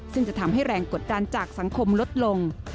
ซึ่งจะทำให้แรงกดดันจากสังคมลดลง